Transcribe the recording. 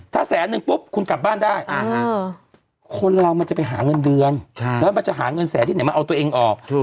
ถ้าแสนนึงปุ๊บคุณกลับบ้านได้คนเรามันจะไปหาเงินเดือนแล้วมันจะหาเงินแสนที่ไหนมาเอาตัวเองออก